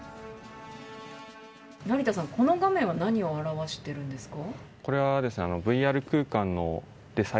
成田さん、この画面は何を表しているんですか？